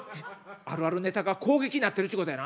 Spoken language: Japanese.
「あるあるネタが攻撃になってるっちゅうことやな。